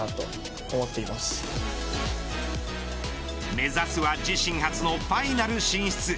目指すは自身初のファイナル進出。